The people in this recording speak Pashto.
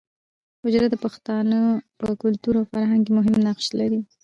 حجره د پښتانو په کلتور او فرهنګ کې مهم نقش لري